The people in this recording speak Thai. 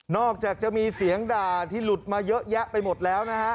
จากจะมีเสียงด่าที่หลุดมาเยอะแยะไปหมดแล้วนะฮะ